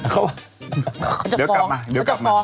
เค้าจะฟ้อง